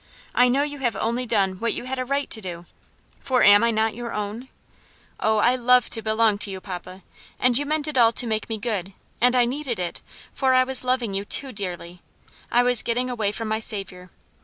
I know you have only done what you had a right to do for am I not your own? Oh, I love to belong to you, papa! and you meant it all to make me good; and I needed it, for I was loving you too dearly. I was getting away from my Saviour.